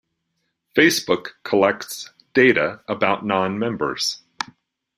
Facebook collects data about non-members.